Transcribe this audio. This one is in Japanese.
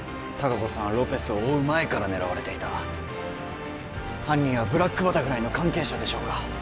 隆子さんはロペスを追う前から狙われていた犯人はブラックバタフライの関係者でしょうか？